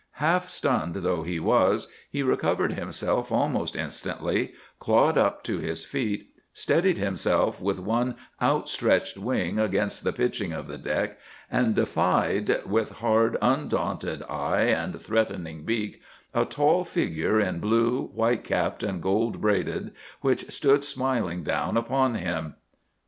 Half stunned though he was, he recovered himself almost instantly, clawed up to his feet, steadied himself with one outstretched wing against the pitching of the deck, and defied, with hard, undaunted eye and threatening beak, a tall figure in blue, white capped and gold braided, which stood smiling down upon him.